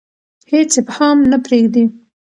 هیڅ ابهام نه پریږدي.